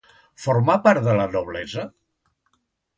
Formà part de la noblesa?